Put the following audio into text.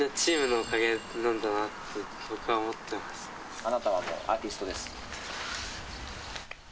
「あなたはもうアーティストです」。